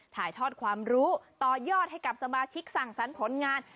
ถ่ายทอดความรู้ต่อยอดให้กับสมาชิกสั่งสรรค์ผลงาน